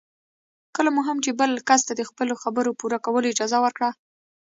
کله مو هم چې بل کس ته د خپلو خبرو پوره کولو اجازه ورکړه.